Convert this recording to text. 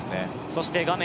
そして画面